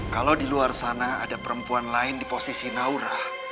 kalau di luar sana ada perempuan lain di posisi naura